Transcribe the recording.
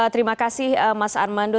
terima kasih mas armando